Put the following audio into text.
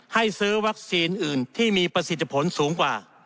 ให้ซื้อวัคซีนอื่นที่มีประสิทธิผลสูงกว่า